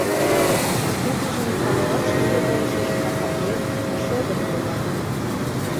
А тудыжын каҥга шӱргывылышыже какарген, шыдын ойла.